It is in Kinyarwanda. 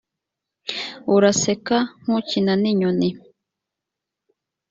uraseka nk ukina n inyoni